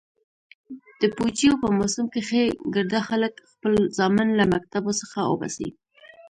د پوجيو په موسم کښې ګرده خلك خپل زامن له مكتبو څخه اوباسي.